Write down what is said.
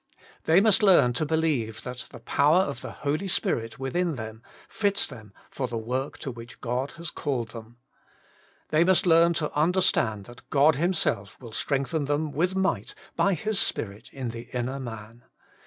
They must learn to believe that the pozver of the Holy Spirit zvithin them £fs them for the zvork to zvhich God has called them. They must learn to understand that God Himself will strengthen them with might by His Spirit in the inner man.